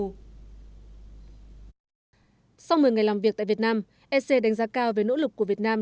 sau một mươi ngày làm việc tại việt nam ec đánh giá cao về nỗ lực của việt nam